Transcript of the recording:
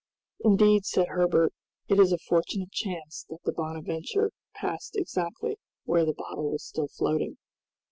"Indeed," said Herbert, "it is a fortunate chance that the 'Bonadventure' passed exactly where the bottle was still floating!"